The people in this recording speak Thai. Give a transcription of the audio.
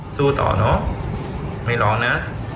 น้องไม่ร้องนะ